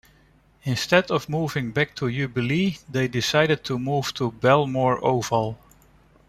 Instead of moving back to Jubilee they decided to move to Belmore Oval.